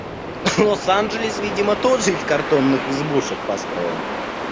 Лос-Анджелес видимо тоже из картонных избушек построен